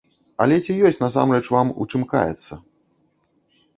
Але ці ёсць насамрэч вам у чым каяцца?